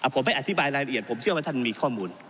ผมไม่อธิบายรายละเอียดผมเชื่อว่าท่านมีข้อมูล